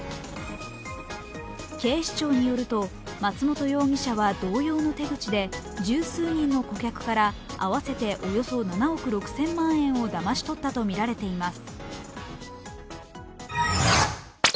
警視庁によると、松本容疑者は同様の手口で十数人の顧客から合わせておよそ７億６０００万円をだまし取ったとみられています。